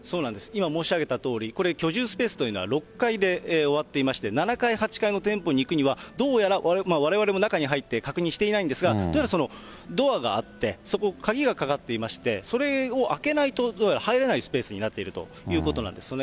今申し上げたとおり、これ、居住スペースというのは６階で終わっていまして、７階、８階の店舗に行くには、どうやら、われわれも中に入って確認していないんですが、というのはドアがあって、そこ、鍵がかかっていまして、それを開けないとどうやら入れないスペースになっているということなんですね。